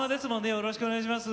よろしくお願いします。